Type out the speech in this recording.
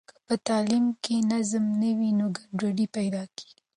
که په تعلیم کې نظم نه وي نو ګډوډي پیدا کېږي.